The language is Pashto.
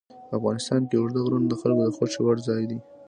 افغانستان کې اوږده غرونه د خلکو د خوښې وړ ځای دی.